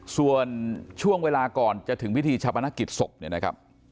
ส่วนช่วงเวลาก่อนจะถึงพิธีชาปนกิจศพเนี่ยนะครับ